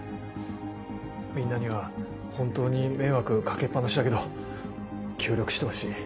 みんなには本当に迷惑掛けっ放しだけど協力してほしい。